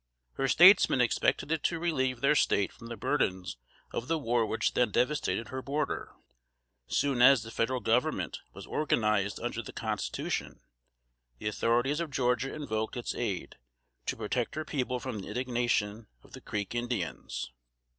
Her statesmen expected it to relieve their State from the burthens of the war which then devastated her border. [Sidenote: 1789.] Soon as the Federal Government was organized under the constitution, the authorities of Georgia invoked its aid, to protect her people from the indignation of the Creek Indians.